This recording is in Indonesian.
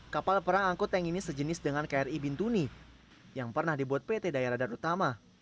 kapal perang angkuteng ini sejenis dengan kri bintuni yang pernah dibuat pt dayar radat utama